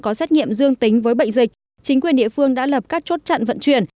có xét nghiệm dương tính với bệnh dịch chính quyền địa phương đã lập các chốt chặn vận chuyển